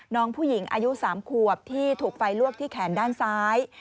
น้องผู้หญิงอายุ๓ขวบที่ถูกไฟลวกที่แขนด้านซ้าย